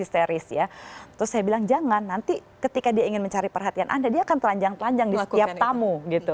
terus saya bilang jangan nanti ketika dia ingin mencari perhatian anda dia akan telanjang telanjang di setiap tamu